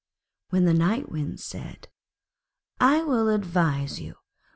Then the Night Wind said, 'I will advise you.